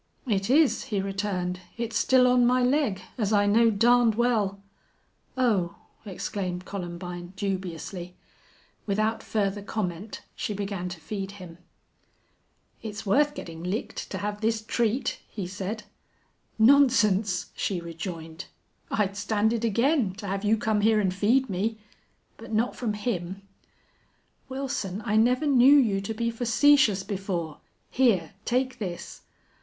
"It is," he returned. "It's still on my leg, as I know darned well." "Oh!" exclaimed Columbine, dubiously. Without further comment she began to feed him. "It's worth getting licked to have this treat," he said. "Nonsense!" she rejoined. "I'd stand it again to have you come here and feed me.... But not from him." "Wilson, I never knew you to be facetious before. Here, take this."